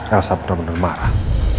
elsa bener bener marah